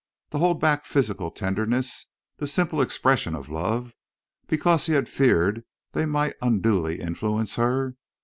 To hold back physical tenderness, the simple expressions of love, because he had feared they might unduly influence her!